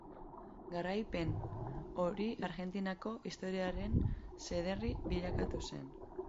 Garaipen hori Argentinako historiaren zedarri bilakatu zen.